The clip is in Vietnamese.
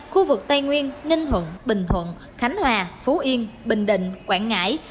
khu vực tây nguyên ninh thuận bình thuận khánh hòa phú yên bình định quảng ngãi